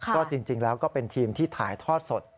ก็จริงแล้วก็เป็นทีมที่ถ่ายทอดสด